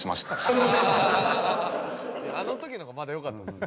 「あの時の方がまだよかったです」